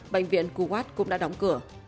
bệnh viện kuwait cũng đã đóng cửa